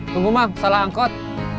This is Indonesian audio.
tunggu salah angkot